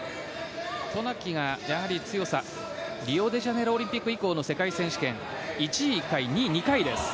渡名喜がやはり強さリオデジャネイロオリンピック以降の世界選手権１位１回、２位２回です。